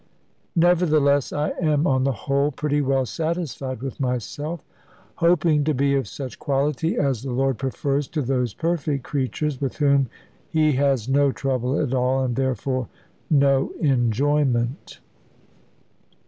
Nevertheless, I am, on the whole, pretty well satisfied with myself; hoping to be of such quality as the Lord prefers to those perfect creatures with whom He has no trouble at all, and therefore no enjoyment.